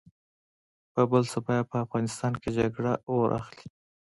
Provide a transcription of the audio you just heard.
په بل سبا يې په افغانستان کې جګړه اور اخلي.